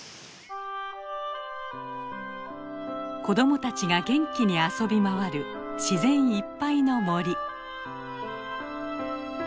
子供たちが元気に遊び回る自然いっぱいの森。